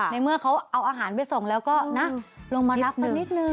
ในเมื่อเขาเอาอาหารไปส่งแล้วก็นะลงมารับมันนิดนึง